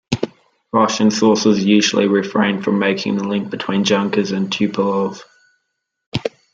Russian sources usually refrain from making the link between Junkers and Tupolev.